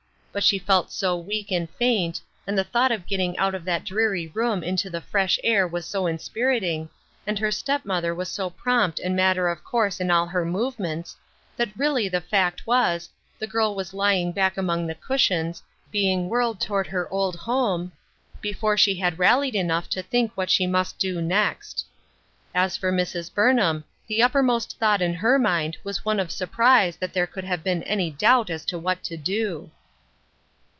But she felt so weak and faint, and the thought of getting out of that dreary room into the fresh air was so inspiriting, and her UNDER GUIDANCE. 323 step mother was so prompt and matter of course in all her movements, that really the fact was, the girl was lying back among the cushions, being whirled toward her old home, before she had rallied enough to think what she must do next. As for Mrs. Burnham, the uppermost thought in her mind was one of surprise that there could have been any doubt as to what to do.